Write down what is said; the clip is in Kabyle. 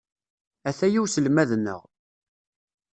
Ataya uselmad-nneɣ.